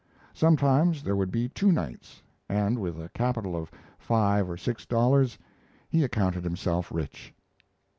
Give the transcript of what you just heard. Sometimes there would be two nights, and with a capital of five or six dollars he accounted himself rich.